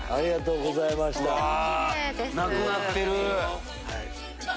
うわなくなってる！